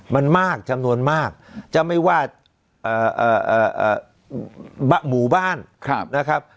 มันมากจำนวนมากจะไม่ว่าหมู่บ้านนะครับ